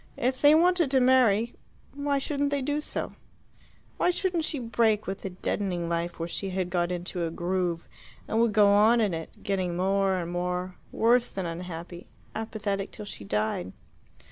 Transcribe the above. If they wanted to marry, why shouldn't they do so? Why shouldn't she break with the deadening life where she had got into a groove, and would go on in it, getting more and more worse than unhappy apathetic till she died?